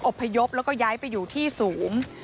พยพแล้วก็ย้ายไปอยู่ที่สูง